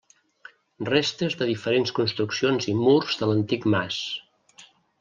Restes de diferents construccions i murs de l'antic mas.